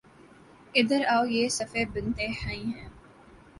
ادھر آؤ، یہ صفیہ بنت حیی ہیں